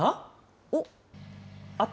おっ。